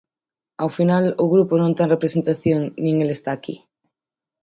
Ao final o grupo non ten representación nin el está aquí.